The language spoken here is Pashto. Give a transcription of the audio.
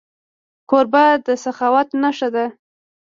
کوربه د سخاوت نښه ده.